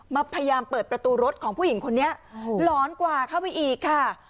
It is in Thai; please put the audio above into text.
มาพยายามเปิดประตูรถของผู้หญิงคนนี้หลอนกว่าเข้าไปอีกค่ะ